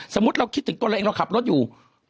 สมมุติเราจะขับรถอยู่